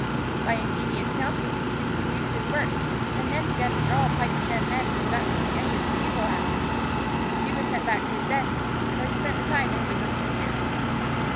By ingenious counting he soon completed his work, and then began to draw pipe stem men for the Dutchman's youngest to giggle at. He was sent back to his desk, where he spent the time in wriggling his ears.